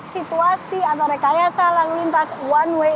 situasi atau rekayasa lalu lintas one way